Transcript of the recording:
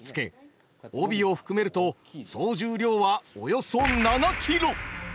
帯を含めると総重量はおよそ７キロ！